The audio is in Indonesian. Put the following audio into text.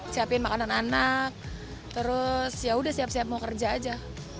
siapin makanan anak terus yaudah siap siap mau kerja aja